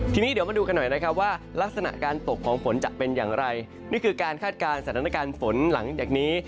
ทีนี้เดี๋ยวมาดูกันหน่อยว่ารักษณะการตกของฝนอย่างไรซึ่งนี่คือการคาดการณ์สารณะการฝนหลังอย่างนี้